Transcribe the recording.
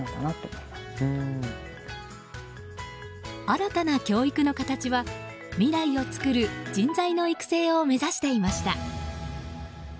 新たな教育の形は未来を作る人材の育成を目指していました。